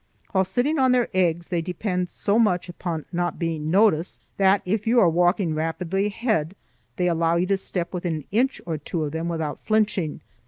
While sitting on their eggs, they depend so much upon not being noticed that if you are walking rapidly ahead they allow you to step within an inch or two of them without flinching.